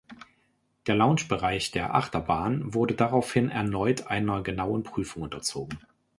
Der Launch-Bereich der Achterbahn wurde daraufhin erneut einer genauen Prüfung unterzogen.